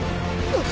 あっ！